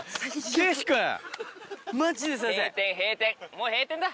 もう閉店だ。